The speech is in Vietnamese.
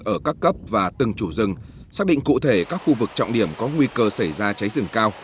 ở các cấp và từng chủ rừng xác định cụ thể các khu vực trọng điểm có nguy cơ xảy ra cháy rừng cao